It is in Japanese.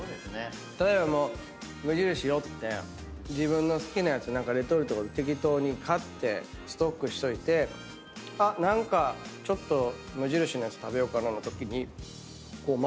例えば無印寄って自分の好きなやつレトルトを適当に買ってストックしといて何かちょっと無印のやつ食べようかなのときに。